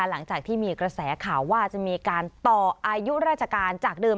หลังจากที่มีกระแสข่าวว่าจะมีการต่ออายุราชการจากเดิม